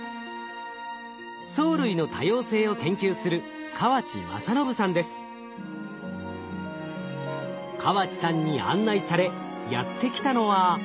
藻類の多様性を研究する河地さんに案内されやって来たのは。